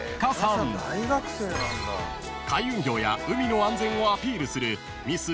［海運業や海の安全をアピールするミス